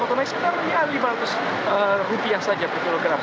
atau naik sekitar lima ratus rupiah saja per kilogram